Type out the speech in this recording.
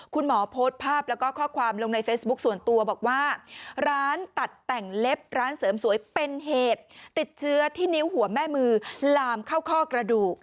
โพสต์ภาพแล้วก็ข้อความลงในเฟซบุ๊คส่วนตัวบอกว่าร้านตัดแต่งเล็บร้านเสริมสวยเป็นเหตุติดเชื้อที่นิ้วหัวแม่มือลามเข้าข้อกระดูก